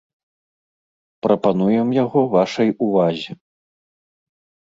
Прапануем яго вашай увазе.